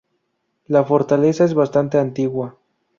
La fortaleza es bastante antigua.